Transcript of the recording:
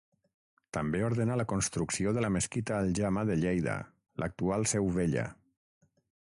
També ordenà la construcció de la mesquita aljama de Lleida, l'actual Seu Vella.